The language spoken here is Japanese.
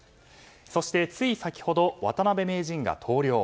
そして、つい先ほど渡辺名人が投了。